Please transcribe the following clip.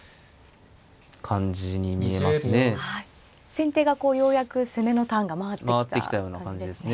先手がようやく攻めのターンが回ってきた感じですね。